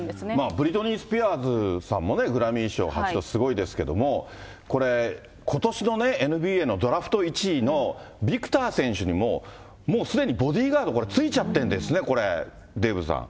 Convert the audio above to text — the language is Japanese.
ブリトニー・スピアーズさんもグラミー賞８度、すごいですけれども、これ、ことしのＮＢＡのドラフト１位のビクター選手にも、もうすでにボディーガード、これついちゃってんですね、これ、デーブさん。